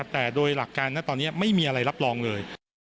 แต่โดยหลักการณตอนนี้ไม่มีอะไรรับรองเลย